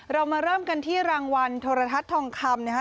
เรามาเริ่มกันที่รางวัลโทรทัศน์ทองคำนะฮะ